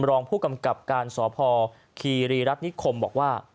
รองผู้กำกับการสพคีรีรัฐนิคมบอกว่า